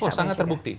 oh sangat terbukti